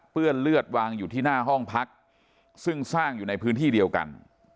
เลือดวางอยู่ที่หน้าห้องพักซึ่งสร้างอยู่ในพื้นที่เดียวกัน